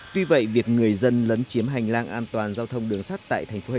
tuy vậy việc người dân lấn chiếm hành lang an toàn giao thông đường sắt tại thành phố hải dương